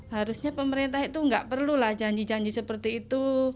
harusnya pemerintah itu tidak perlu janji janji seperti itu